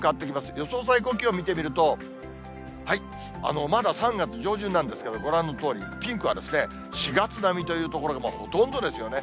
予想最高気温見てみると、まだ３月上旬なんですけど、ご覧のとおり、ピンクは４月並みという所がほとんどですよね。